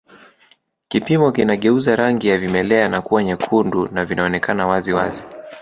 Kipimo kinageuza rangi ya vimelea na kuwa vyekundu na vinaonekana wazi wazi